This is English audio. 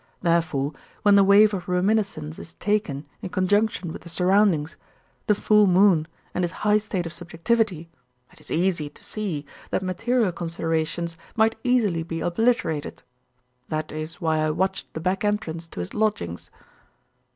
Therefore when the wave of reminiscence is taken in conjunction with the surroundings, the full moon and his high state of subjectivity, it is easy to see that material considerations might easily be obliterated. That is why I watched the back entrance to his lodgings."